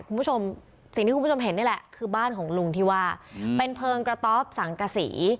คุณผู้ชมสิ่งที่คุณผู้ชมเห็นนี่แหละคือบ้านของลุงที่ว่าเป็นเพลิงกระต๊อบสังกษี